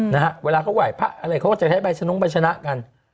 นะฮะเวลาเขาไหว้พระอะไรเขาก็จะใช้ใบชะนงใบชนะกัน